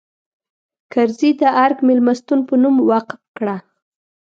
کرزي د ارګ مېلمستون په نوم وقف کړه.